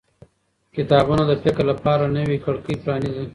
کتابونه د فکر لپاره نوې کړکۍ پرانیزي